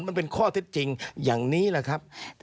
มันเป็นข้อเท็จจริงอย่างนี้แหละครับ